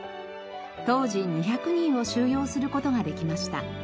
当時２００人を収容する事ができました。